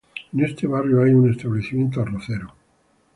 En este barrio hay un establecimiento arrocero.